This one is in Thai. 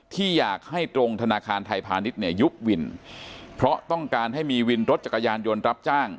ที่อยากให้ตรงธนาคารไทยพาณิชย์เนี่ยยุบวินเพราะต้องการให้มีวินรถจักรยานยนต์รับจ้าง